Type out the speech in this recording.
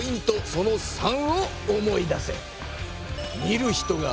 その③を思い出せ。